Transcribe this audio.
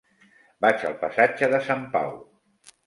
Vaig al passatge de Sant Pau.